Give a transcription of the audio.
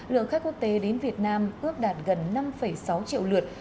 lượng khách quốc tế đến việt nam ước đạt gần năm sáu triệu lượt